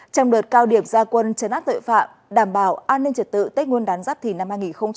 trong đợt cao điểm gia quân chấn át tội phạm đảm bảo an ninh trật tự tết nguyên đán giáp thìn năm hai nghìn hai mươi bốn